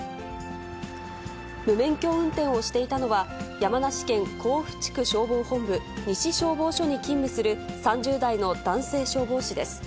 無免許運転をしていたのは、山梨県甲府地区消防本部、西消防署に勤務する３０代の男性消防士です。